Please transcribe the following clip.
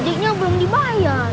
rejeknya belum dibayar